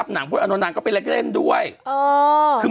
เป็นการกระตุ้นการไหลเวียนของเลือด